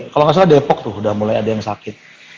kalau nggak salah depok tuh udah mulai ada yang sakit